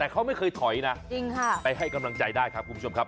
แต่เขาไม่เคยถอยนะจริงค่ะไปให้กำลังใจได้ครับคุณผู้ชมครับ